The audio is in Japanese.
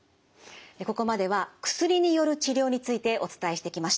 ここまでは薬による治療についてお伝えしてきました。